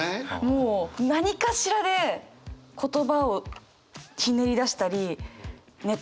もう何かしらで言葉をひねり出したりネタをひねり出したり。